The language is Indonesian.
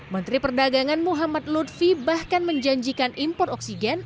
menteri perdagangan muhammad lutfi bahkan menjanjikan impor oksigen